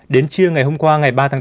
đến trưa ngày hôm qua ngày ba tháng tám